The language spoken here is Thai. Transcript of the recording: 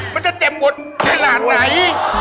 มันจะเจ็บหมุนแค่หลานไหน